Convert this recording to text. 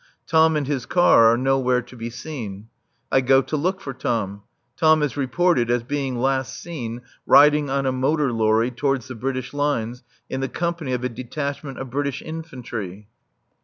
Tom and his car are nowhere to be seen. I go to look for Tom. Tom is reported as being last seen riding on a motor lorry towards the British lines in the company of a detachment of British infantry.